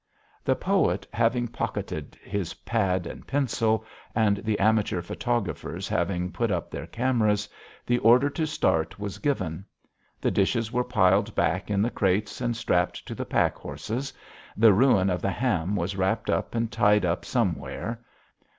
The poet having pocketed his pad and pencil, and the amateur photographers having put up their cameras, the order to start was given. The dishes were piled back in the crates and strapped to the pack horses. The ruin of the ham was wrapped up and tied on somewhere.